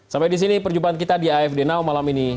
sampai di sini perjumpaan kita di afd now malam ini